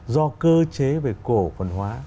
do cơ chế về cổ phần hóa